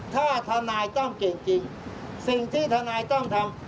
ถ้าทนายต้องเก่งจริงสิ่งที่ทนายต้องทำ